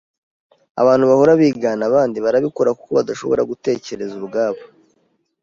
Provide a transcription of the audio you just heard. Abantu bahora bigana abandi barabikora kuko badashobora gutekereza ubwabo.